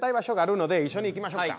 一緒に行きましょうか。